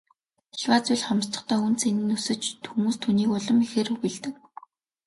Аливаа зүйл хомсдохдоо үнэ цэн нь өсөж хүмүүс түүнийг улам ихээр үгүйлдэг.